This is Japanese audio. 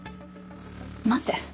待って。